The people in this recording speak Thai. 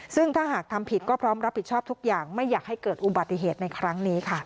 ซึ่งถ้าหากทำผิดก็พร้อมรับผิดชอบทุกอย่างไม่อยากให้เกิดอุบัติเหตุในครั้งนี้ค่ะ